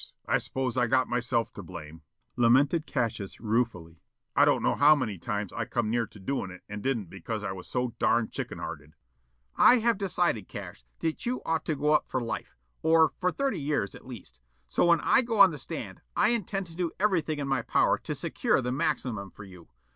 I suppose I got myself to blame," lamented Cassius ruefully. "I don't know how many times I come near to doin' it and didn't because I was so darned chicken hearted." "I have decided, Cash, that you ought to go up for life, or for thirty years, at least. So when I go on the stand I intend to do everything in my power to secure the maximum for you.